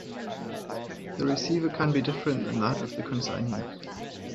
The receiver can be different than that of the consignee.